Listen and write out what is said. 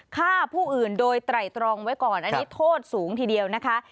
ฆ่าผู้อื่นโดยไตรตรองไว้ก่อนอันนี้โทษสูงทีเดียวนะคะ